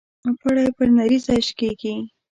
پړى پر نري ځاى شکېږي.